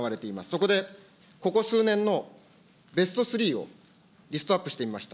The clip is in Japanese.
そこでここ数年のベスト３をリストアップしてみました。